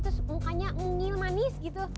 terus mukanya ngungil manis gitu